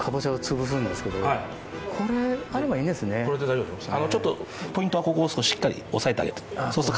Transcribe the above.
これで大丈夫です。